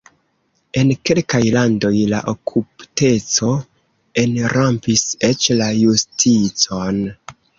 En kelkaj landoj la korupteco enrampis eĉ la justicon.